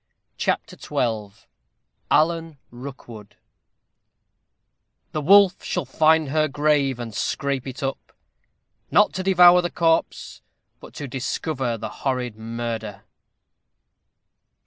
CHAPTER XII ALAN ROOKWOOD The wolf shall find her grave, and scrape it up; Not to devour the corse, but to discover The horrid murther.